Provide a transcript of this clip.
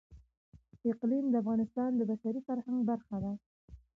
اقلیم د افغانستان د بشري فرهنګ برخه ده.